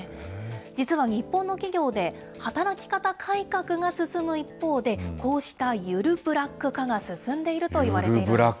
実は日本の企業で、働き方改革が進む一方で、こうしたゆるブラック化が進んでいるといわれているんです。